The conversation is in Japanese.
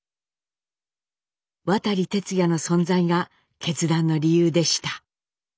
渡哲也の存在が決断の理由でした。